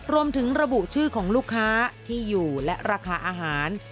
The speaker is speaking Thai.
รวมถึงระบุชื่อของลูกค้าที่อยู่และราคาอาหาร